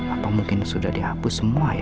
apa mungkin sudah dihapus semua ya